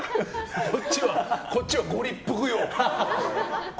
こっちはご立腹よ。